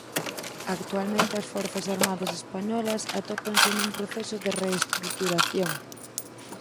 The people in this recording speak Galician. Actualmente as Forzas Armadas Españolas atópanse nun proceso de reestruturación.